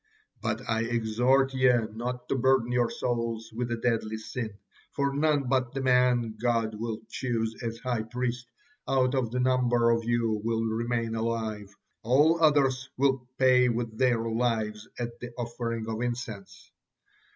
But I exhort ye not to burden your souls with a deadly sin, for none but the man God will choose as high priest out of the number of you will remain alive, all others will pay with their lives at the offering of incense."